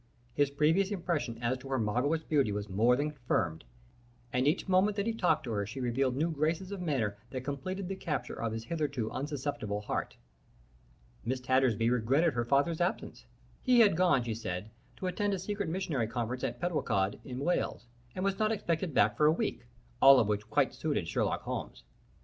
His previous impression as to her marvellous beauty was more than confirmed, and each moment that he talked to her she revealed new graces of manner that completed the capture of his hitherto unsusceptible heart. Miss Tattersby regretted her father's absence. He had gone, she said, to attend a secret missionary conference at Pentwllycod in Wales, and was not expected back for a week, all of which quite suited Sherlock Holmes.